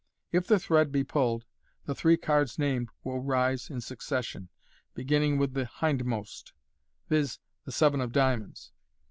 If the thread be pulled, the three cards named will rise in succession, beginning with the hindmost — viz., the seven of diamonds.